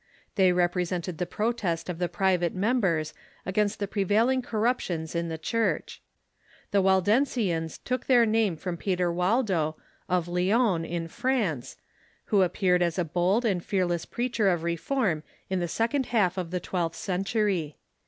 They represented the protest of the private members against the prevailing corruptions in the Church. The Waldensians took their name from Peter Wal do, of Lyons, in France, who appeared as a bold and fearless preacher of reform in the second half of the twelfth century.